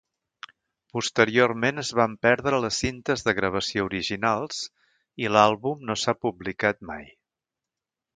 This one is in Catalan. Posteriorment es van perdre les cintes de gravació originals i l'àlbum no s'ha publicat mai.